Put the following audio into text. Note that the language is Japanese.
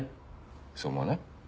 そう思わない？